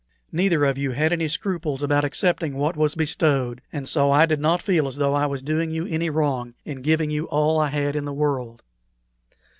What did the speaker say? Neither of you had any scruples about accepting what was bestowed, and so I did not feel as though I was doing you any wrong in giving you all I had in the world.